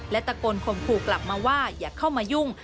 และตะโกนข่มขู่กลับมาว่าอย่าเข้ามายุ่ง